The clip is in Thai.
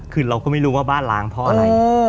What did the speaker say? คือเราก็ไม่รู้ว่าบ้านล้างเพราะอะไร